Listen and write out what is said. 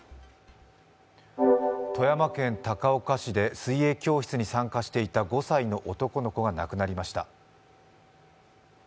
富山県高岡市で水泳教室に参加していた５歳の男の子が亡くなりました。